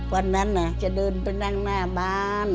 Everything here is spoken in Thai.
วันนั้นจะเดินไปนั่งหน้าบ้าน